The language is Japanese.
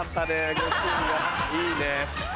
いいね。